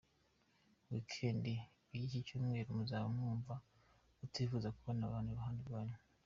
Weekend y’iki cyumweru, muzaba mwumva mutifuza kubona abantu iruhande rwanyu.